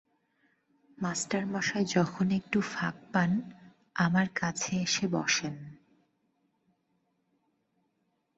মাস্টারমশায় যখন একটু ফাঁক পান আমার কাছে এসে বসেন।